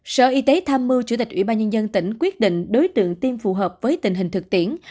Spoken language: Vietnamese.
sở y tế tham mưu chủ tịch ủy ban nhân dân tỉnh quyết định đối tượng tiêm phù hợp với tình hình thực tiễn